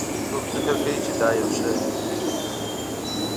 څوک فکر کوي چې دا یو ښه فکر ده